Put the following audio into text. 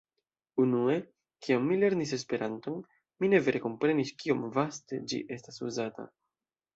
Unue, kiam mi lernis Esperanton, mi ne vere komprenis kiom vaste ĝi estas uzata.